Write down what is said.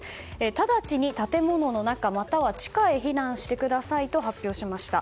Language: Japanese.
ただちに建物の中または地下へ避難してくださいと発表しました。